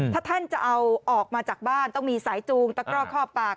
ถ้าท่านจะเอาออกมาจากบ้านต้องมีสายจูงตะกร่อคอบปาก